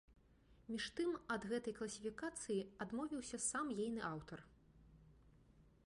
Між тым, ад гэтай класіфікацыі адмовіўся сам ейны аўтар.